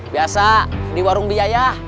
biasa di warung biaya